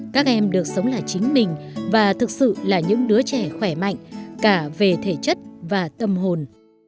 các em được sống là chính mình và thực sự là những đứa trẻ khỏe mạnh cả về thể chất và tâm hồn